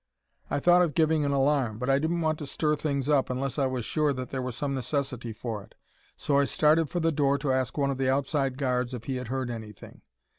"I thought of giving an alarm, but I didn't want to stir things up unless I was sure that there was some necessity for it, so I started for the door to ask one of the outside guards if he had heard anything.